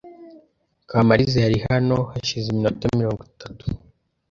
Kamariza yari hano hashize iminota mirongo itatu.